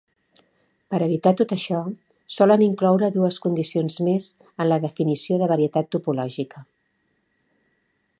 Per evitar tot això, solen incloure dues condicions més en la definició de varietat topològica.